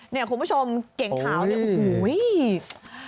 เนี่ยคุณผู้ชมเก่งขาวเนี่ยโอ้โห